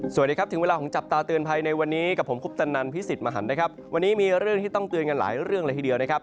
สวัสดีครับถึงเวลาของจับตาเตือนภัยในวันนี้กับผมคุปตันนันพิสิทธิ์มหันนะครับวันนี้มีเรื่องที่ต้องเตือนกันหลายเรื่องเลยทีเดียวนะครับ